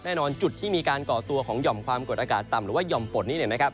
แน่นอนจุดที่มีการก่อตัวของยอมความกดอากาศต่ำหรือว่ายอมฝนนี้นะครับ